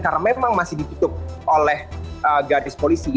karena memang masih ditutup oleh garis polisi